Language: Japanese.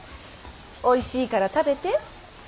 おいしいから食べて。